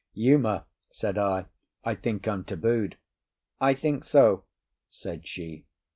"Uma," said I, "I think I'm tabooed." "I think so," said she.